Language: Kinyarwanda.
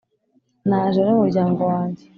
naje n'umuryango wanjye.